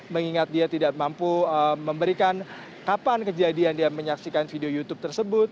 mengingat dia tidak mampu memberikan kapan kejadian dia menyaksikan video youtube tersebut